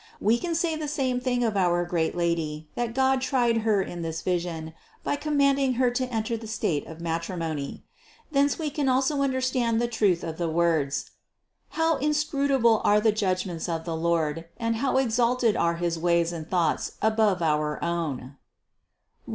We can say the same thing of our great Lady, that God tried Her in this vision, by commanding Her to enter the state of matrimony. Thence we can also understand the truth of the words: How inscrutable are the judgments of the Lord and how exalted are his ways and thoughts above our own (Rom.